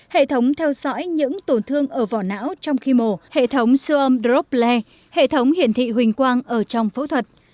hệ thống theo dõi những tổn thương ở vỏ não trong khi mổ hệ thống siêu âm drople hệ thống hiển thị huynh quang ở trong phẫu thuật